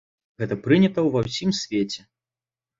Як гэта прынята ва ўсім свеце.